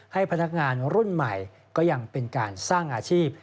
ให้พนักงานรุ่นใหม่ก็ยังเป็นการสร้างอาชีพ